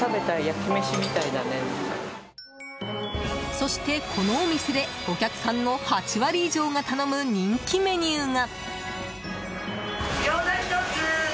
そして、このお店でお客さんの８割以上が頼む人気メニューが。